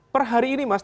per hari ini mas